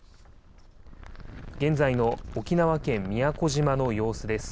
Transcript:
現在の沖縄県宮古島の様子です。